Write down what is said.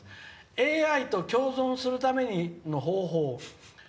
「ＡＩと共存するための方法」。